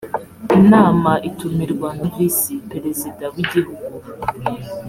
inama itumirwa na visi perezida wigihugu